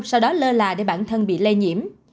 sau đó lơ là để bản thân bị lây nhiễm